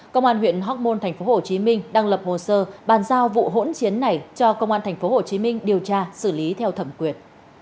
công an huyện hóc môn tp hcm đang lập hồ sơ bàn giao vụ hỗn chiến này cho công an tp hcm điều tra xử lý theo thẩm quyền